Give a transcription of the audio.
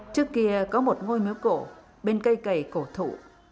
trước kia có một ngôi miếu cổ bên cây cầy cổ thụ